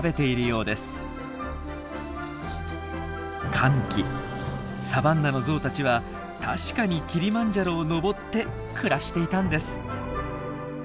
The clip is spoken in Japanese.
乾季サバンナのゾウたちは確かにキリマンジャロを登って暮らしていたんです！